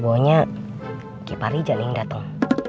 bau baunya gepar rijal yang datang